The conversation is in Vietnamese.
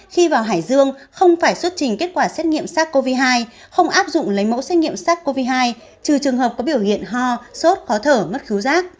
khi vào hải dương không phải xuất trình kết quả xét nghiệm sars cov hai không áp dụng lấy mẫu xét nghiệm sars cov hai trừ trường hợp có biểu hiện ho sốt khó thở mất cứu giác